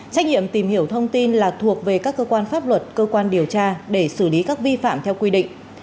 trách nhiệm tìm hiểu thông tin là thuộc về các cơ quan pháp luật cơ quan điều tra để xử lý các vi phạm theo quy định